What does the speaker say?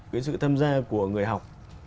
cái sự tham gia của người học